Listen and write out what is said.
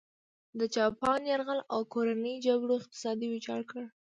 د جاپان یرغل او کورنۍ جګړو اقتصاد ویجاړ کړ.